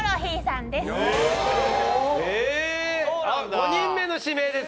５人目の指名です